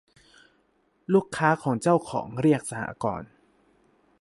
ลูกค้าคือเจ้าของ เรียก สหกรณ์